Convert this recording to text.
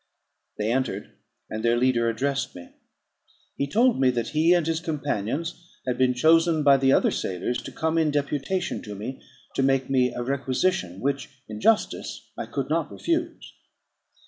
They entered, and their leader addressed me. He told me that he and his companions had been chosen by the other sailors to come in deputation to me, to make me a requisition, which, in justice, I could not refuse.